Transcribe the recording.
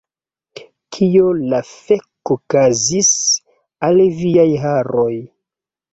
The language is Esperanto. Kio la fek' okazis al viaj haroj